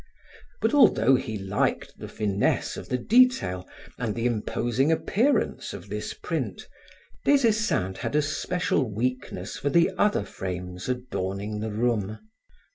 But although he liked the finesse of the detail and the imposing appearance of this print, Des Esseintes had a special weakness for the other frames adorning the room.